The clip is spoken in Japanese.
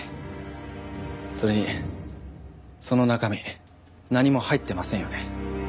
それにその中身何も入ってませんよね。